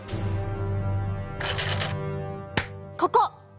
ここ。